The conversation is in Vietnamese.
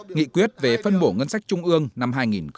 nghị quyết về phân bổ ngân sách trung ương năm hai nghìn hai mươi